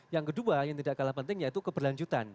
yang kedua yang tidak kalah penting yaitu keberlanjutan